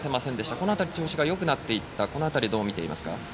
この辺り調子がよくなっていったこの辺りどう見ていますか。